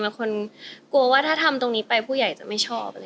เป็นคนกลัวว่าถ้าทำตรงนี้ไปผู้ใหญ่จะไม่ชอบ